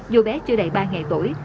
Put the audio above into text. dù bé chưa đầy ba ngày tuổi